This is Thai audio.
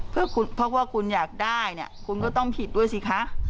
เพราะว่าคุณอยากได้เนี่ยคุณก็ต้องผิดด้วยสิคะ